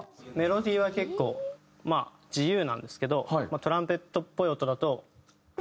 メロディーは結構まあ自由なんですけどトランペットっぽい音だと。